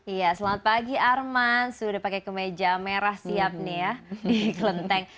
iya selamat pagi arman sudah pakai kemeja merah siap nih ya di kelenteng